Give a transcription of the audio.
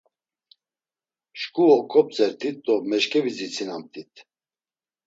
Şǩu oǩop̌tzert̆it do meşǩevizitsinamt̆it.